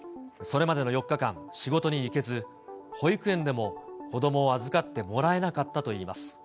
それまでの４日間、仕事に行けず、保育園でも子どもを預かってもらえなかったといいます。